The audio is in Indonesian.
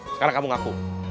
sekarang kamu ngaku